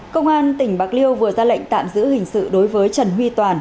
công an tp hcm vừa ra lệnh tạm giữ hình sự đối với trần huy toàn